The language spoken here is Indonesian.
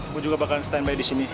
gue juga bakalan stand by di sini